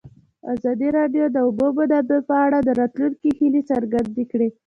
ازادي راډیو د د اوبو منابع په اړه د راتلونکي هیلې څرګندې کړې.